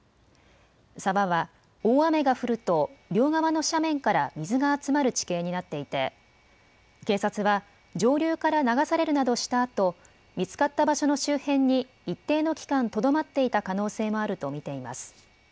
沢は大雨が降ると、両側の斜面から水が集まる地形になっていて、警察は、上流から流されるなどしたあと、見つかった場所の周辺に一定の期間とどまっていた可能性もあると見ています。